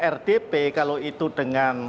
rdp kalau itu dengan